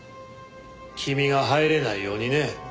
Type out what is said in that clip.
君が入れないようにね。